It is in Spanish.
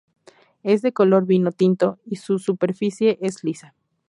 Es de color vino tinto, y su superficie es lisa.